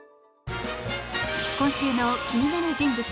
今週の気になる人物